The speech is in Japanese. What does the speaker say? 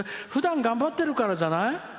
ふだん頑張ってるからじゃない？